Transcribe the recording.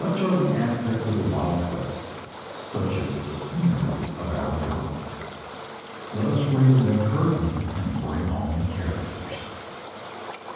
Such are the aspects of the wild west; such is the scenery of our drama. Let us raise the curtain, and bring on the characters.